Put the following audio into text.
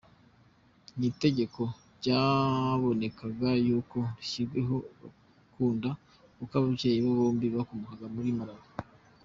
Iri tegeko byabonekaga yuko ryashyiriweho Kaunda kuko ababyeyi be bombi bakomokaga muri Malawi.